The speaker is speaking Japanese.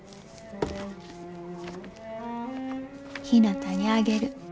．ひなたにあげる。